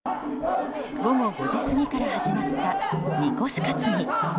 午後５時過ぎから始まったみこし担ぎ。